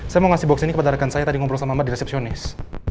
saya mau kasih box ini kepada rekan saya tadi ngobrol sama mbak di resepsionis